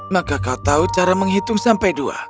dan kamu tahu cara menghitung sampai dua